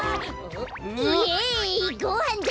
イエイごはんだ！